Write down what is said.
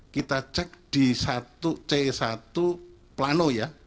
kita cek di satu c satu plano ya